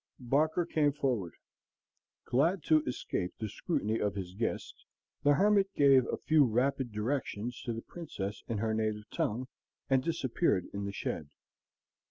Barker came forward. Glad to escape the scrutiny of his guest, the hermit gave a few rapid directions to the Princess in her native tongue, and disappeared in the shed.